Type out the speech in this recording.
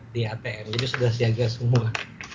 di atm jadi sudah siaga semua